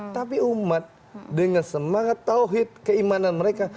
tapi umat dengan semangat tawhid keimanan mereka